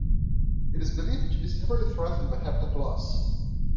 It is believed to be severely threatened by habitat loss.